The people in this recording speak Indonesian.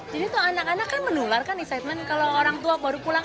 jadi tuh anak anak kan menular kan excitement kalau orang tua baru pulang